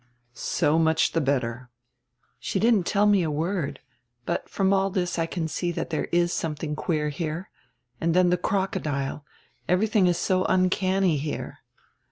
"So much die better." "She didn't tell me a word. But from all diis I can see diat diere is somediing queer here. And then die crocodile; everything is so uncanny here."